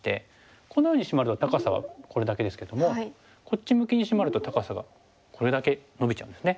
このようにシマると高さはこれだけですけどもこっち向きにシマると高さがこれだけのびちゃうんですね。